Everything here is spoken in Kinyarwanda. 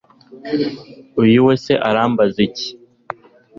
uyu se we arambaza iki